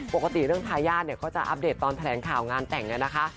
ปกติเรื่องทายาทเนี่ยเขาจะอัปเดตตอนแถลงข่าวงานแต่งเนี่ยนะคะ